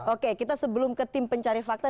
oke kita sebelum ke tim pencari fakta